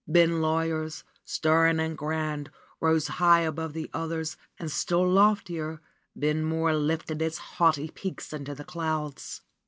Ben Lawers, stern and grand, rose high above the others and still loftier Ben Mohr lifted its haughty peak into the clouds.